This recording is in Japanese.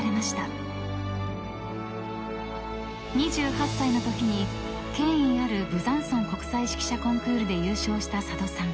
［２８歳のときに権威あるブザンソン国際指揮者コンクールで優勝した佐渡さん］